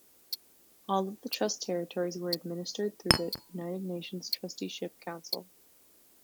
All of the trust territories were administered through the United Nations Trusteeship Council.